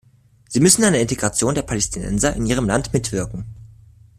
Sie müssen an der Integration der Palästinenser in ihrem Land mitwirken.